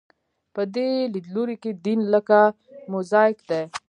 په دې لیدلوري کې دین لکه موزاییک دی.